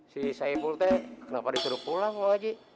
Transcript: si saipul teh kenapa disuruh pulang pak ji